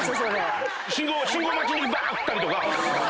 信号待ちのときばーっ振ったりとか。